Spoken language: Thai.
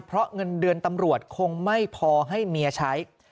เพราะเงินเดือนตำรวจคงไม่พอให้เมียใช้